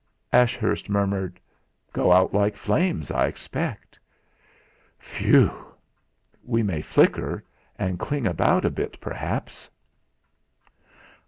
Ashurst murmured: "Go out like flames, I expect." "Phew!" "We may flicker, and cling about a bit, perhaps."